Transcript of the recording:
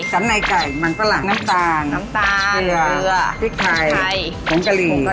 สำในไก่มันประหลังน้ำตาลเผื่อพริกไทยหมงกะหรี่